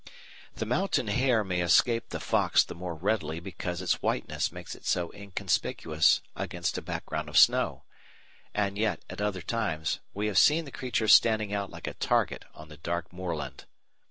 ] The mountain hare may escape the fox the more readily because its whiteness makes it so inconspicuous against a background of snow; and yet, at other times, we have seen the creature standing out like a target on the dark moorland.